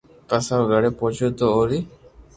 پسي او گھري پوچيو تو اوري